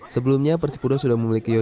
sebelumnya persipura sudah memiliki